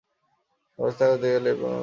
সমস্ত আকাশ লেপিয়া মেঘ করিয়া আছে।